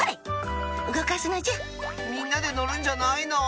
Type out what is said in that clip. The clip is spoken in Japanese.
みんなでのるんじゃないの？